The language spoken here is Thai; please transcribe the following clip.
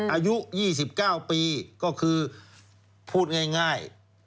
อายุ๒๙ปีก็คือพูดง่าย